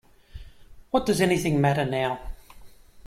What does anything matter now?